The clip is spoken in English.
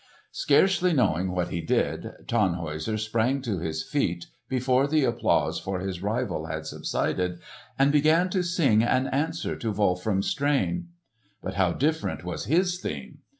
Scarcely knowing what he did, Tannhäuser sprang to his feet, before the applause for his rival had subsided, and began to sing an answer to Wolfram's strain. But how different was his theme!